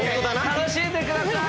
楽しんでください！